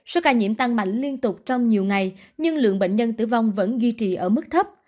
số ca nhiễm tăng mạnh liên tục trong nhiều ngày nhưng lượng bệnh nhân tử vong vẫn duy trì ở mức thấp